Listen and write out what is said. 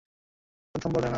প্রথমে বললে না কেন?